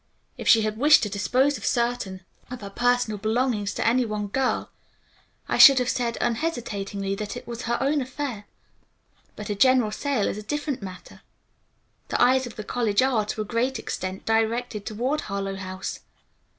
If she had wished to dispose of certain of her personal belongings to any one girl I should have said unhesitatingly that it was her own affair, but a general sale is a different matter. The eyes of the college are, to a great extent, directed toward Harlowe House.